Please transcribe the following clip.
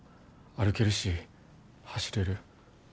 歩けるし走れる。